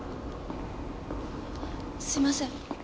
すいません。